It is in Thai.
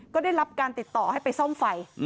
ก็ได้รับการติดต่อให้ไปซ่อมไฟ